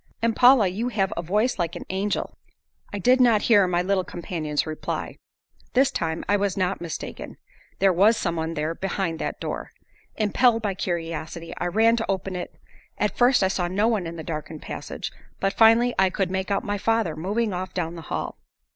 "And, Paula, you have a voice like an angel!" I did not hear my little companion's reply. This time I was not mistaken; there was someone there behind that door. Impelled by curiosity I ran to open it At first I saw no one in the darkened passage, but finally I could make out my father moving off down the hall.